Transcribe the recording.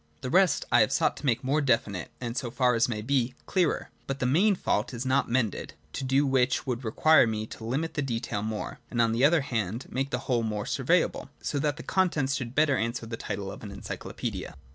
The rest I have sought to make more definite, and so far as may be clearer ; but the main fault is not mended — to do which would require me to limit the detail more, and on the other hand make the whole more surveyable, so that the contents should better answer the title of an Encyclopaedia.